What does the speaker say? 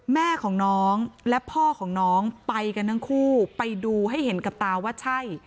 แม่ของน้องและพ่อของน้องไปกันทั้งคู่ไปดูให้เห็นกับตาว่าใช่